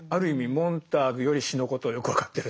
モンターグより詩のことをよく分かってる。